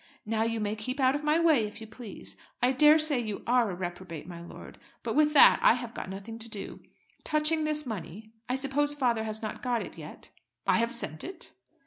Now you may keep out of my way, if you please. I daresay you are a reprobate, my lord; but with that I have got nothing to do. Touching this money, I suppose father has not got it yet?" "I have sent it."